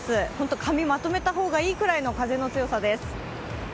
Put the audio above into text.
髪をまとめた方がいいぐらいの風の強さです。